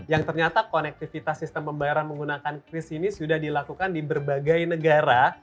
yang ternyata konektivitas sistem pembayaran menggunakan kris ini sudah dilakukan di berbagai negara